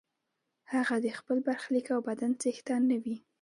هغه د خپل برخلیک او بدن څښتن نه وي.